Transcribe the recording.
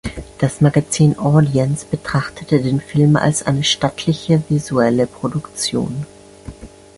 Das Magazin "Audience" betrachtete den Film als "eine stattliche visuelle Produktion".